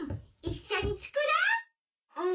いっしょにつくろう！